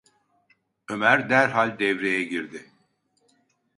Ömer derhal devreye girdi: